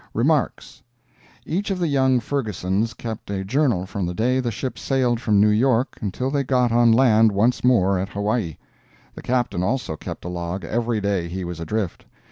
REMARKS Each of the young Fergusons kept a journal from the day the ship sailed from New York until they got on land once more at Hawaii. The Captain also kept a log every day he was adrift.